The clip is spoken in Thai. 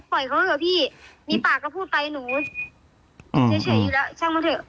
เขาเถอะพี่มีปากก็พูดไปหนูเฉยอยู่แล้วช่างมาเถอะ